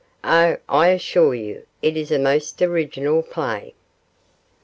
Oh, I assure you it is a most original play.